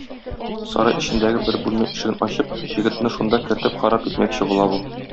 Сарай эчендәге бер бүлмә ишеген ачып, егетне шунда кертеп харап итмәкче була бу.